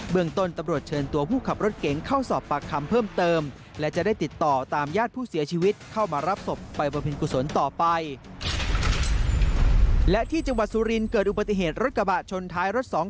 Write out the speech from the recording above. เบื้องต้นตำรวจเชิญตัวผู้ขับรถเก๋ง